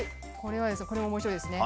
これおもしろいですね